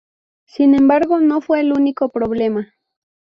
Sin embargo, no fue el único problema.